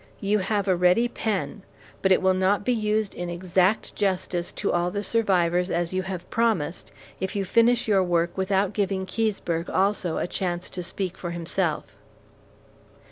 You have a ready pen, but it will not be used in exact justice to all the survivors, as you have promised, if you finish your work without giving Keseberg also a chance to speak for himself."